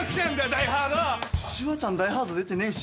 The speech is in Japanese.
『ダイハード』シュワちゃん『ダイハード』出てねえし。